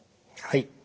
はい。